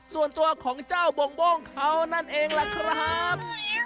ส่วนตัวของเจ้าโบ่งเขานั่นเองล่ะครับ